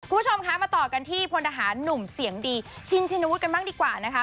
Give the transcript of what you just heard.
คุณผู้ชมคะมาต่อกันที่พลทหารหนุ่มเสียงดีชินชินวุฒิกันบ้างดีกว่านะคะ